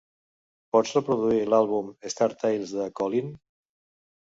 Pots reproduir l'àlbum Star Tales de Colleen?